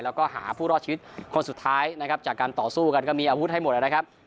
แล้วก็หาผู้รอดชีวิตคนสุดท้ายนะครับจากการต่อสู้กันก็มีอาวุธให้หมดนะครับ